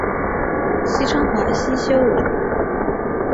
西昌华吸鳅为平鳍鳅科华吸鳅属的淡水鱼类。